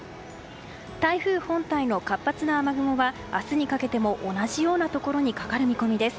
台風本体の活発な雨雲は明日にかけても同じようなところにかかる見込みです。